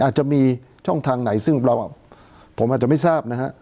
อาจจะมีช่องทางไหนซึ่งเราผมอาจจะไม่ทราบนะฮะ